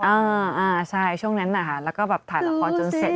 อ่าอ่าใช่ช่วงนั้นนะคะแล้วก็แบบถ่ายละครจนเสร็จ